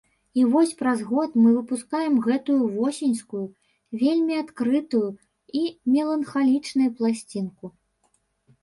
І вось праз год мы выпускаем гэтую восеньскую, вельмі адкрытую і меланхалічнай пласцінку.